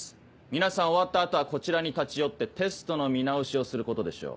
皆さん終わった後はこちらに立ち寄ってテストの見直しをすることでしょう。